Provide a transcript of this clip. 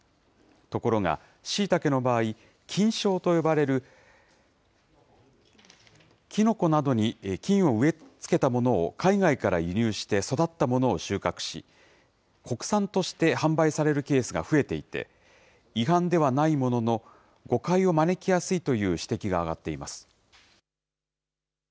ところが、しいたけの場合、菌床と呼ばれる、きのこなどに菌を植え付けたものを海外から輸入して育ったものを収穫し、国産として販売されるケースが増えていて、違反ではないものの、誤解を招きやすいという指摘があがっています。